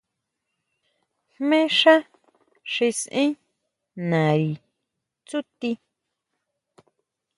¿Jmé xá xi saʼen nari tsúti?